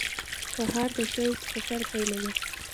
سهار د شوق سفر پیلوي.